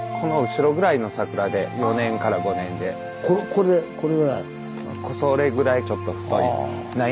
これこれぐらい。